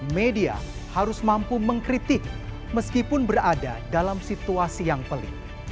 media harus mampu mengkritik meskipun berada dalam situasi yang pelik